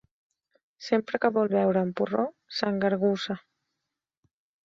Sempre que vol beure amb porró, s'engargussa.